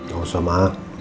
gak usah ma